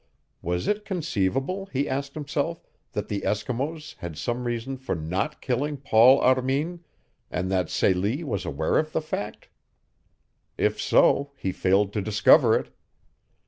Was it conceivable, he asked himself, that the Eskimos had some reason for NOT killing Paul Armin, and that Celie was aware of the fact? If so he failed to discover it.